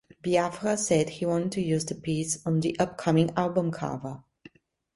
Biafra said he wanted to use the piece on the upcoming album cover.